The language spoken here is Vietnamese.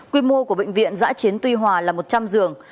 quy mô của bệnh viện giã chiến tuy hòa là một trăm linh giường